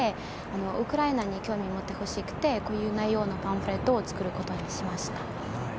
ウクライナに興味を持ってほしくて、こういう内容のパンフレットを作ることにしました。